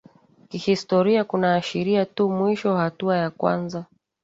kihistoria kunaashiria tu mwisho wa hatua ya kwanza